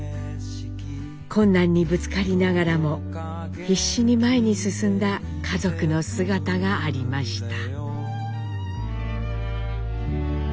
困難にぶつかりながらも必死に前に進んだ家族の姿がありました。